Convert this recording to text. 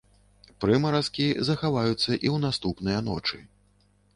Прымаразкі захаваюцца і ў наступныя ночы.